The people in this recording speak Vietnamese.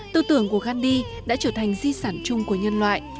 tư tưởng của gandhi đã trở thành di sản chung của nhân loại